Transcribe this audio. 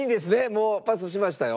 もうパスしましたよ。